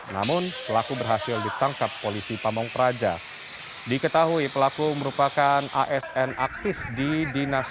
namun pelaku berhasil ditangkap polisi pamung praja diketahui pelaku merupakan asn aktif di dinas